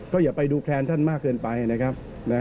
อย่าไปดูแคลนท่านมากเกินไปนะครับ